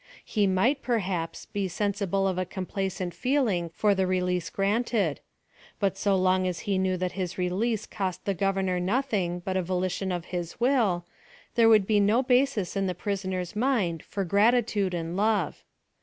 He might, perhaps, be sensible of a complacent feeling for the release granted ; but so long as he knew that his release cost the gover nor nothing but a volition of his will, there would be no basis in the prisoner's mind for gratitude and love.